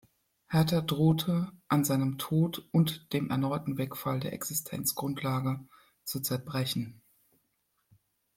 Hertha drohte an seinem Tod und dem erneuten Wegfall der Existenzgrundlage zu zerbrechen.